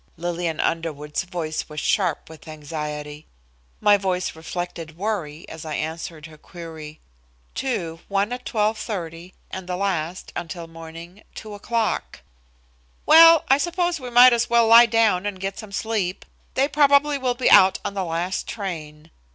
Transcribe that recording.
Lillian Underwood's voice was sharp with anxiety. My voice reflected worry, as I answered her query. "Two, one at 12:30, and the last, until morning, 2 o'clock." "Well, I suppose we might as well lie down and get some sleep. They probably will be out on the last train."